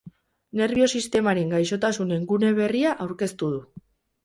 Nerbio-sistemaren gaixotasunen gune berria aurkeztu du.